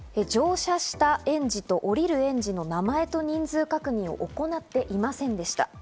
乗車した園児と降りる園児の名前と人数確認を行っていませんでした。